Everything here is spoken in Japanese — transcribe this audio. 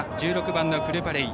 １６番のプルパレイ。